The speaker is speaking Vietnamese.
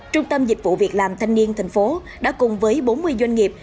trung tâm dịch vụ việc làm thanh niên tp hcm đã cùng với bốn mươi doanh nghiệp